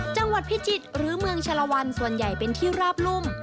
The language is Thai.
จังหวัดพิจิตรหรือเมืองชะละวันส่วนใหญ่เป็นที่ราบรุ่ม